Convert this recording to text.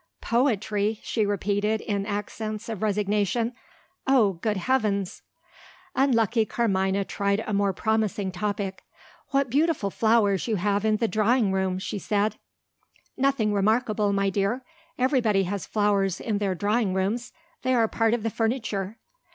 "Poetry?" she repeated, in accents of resignation. "Oh, good heavens!" Unlucky Carmina tried a more promising topic. "What beautiful flowers you have in the drawing room!" she said. "Nothing remarkable, my dear. Everybody has flowers in their drawing rooms they are part of the furniture."